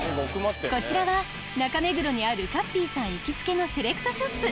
こちらは中目黒にあるかっぴーさん行きつけのセレクトショップ